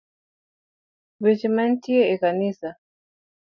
Weche manitie e kanisa